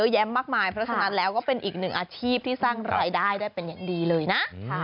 แย้มมากมายเพราะฉะนั้นแล้วก็เป็นอีกหนึ่งอาชีพที่สร้างรายได้ได้เป็นอย่างดีเลยนะ